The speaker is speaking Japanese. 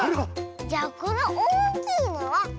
じゃこのおおきいのはスイね。